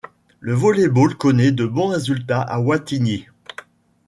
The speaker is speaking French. Le volley-ball connaît de bons résultats à Wattignies.